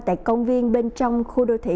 tại công viên bên trong khu đô thị